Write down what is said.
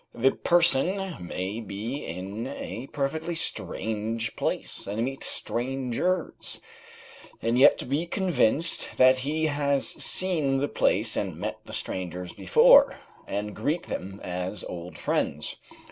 The person may be in a perfectly strange place and meet strangers, and yet be convinced that he has seen the place and met the strangers before, and greet them as old friends.